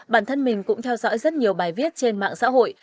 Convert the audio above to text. bản thân mình cũng theo dõi rất nhiều bài viết trên mạng xã hội